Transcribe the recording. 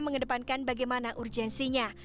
mengedepankan bagaimana urgensinya